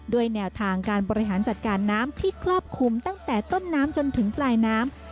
ด้วยแนวทางการบริหารจัดการน้ำที่ครอบคลุมตั้งแต่ต้นน้ำจนถึงปลายน้ำ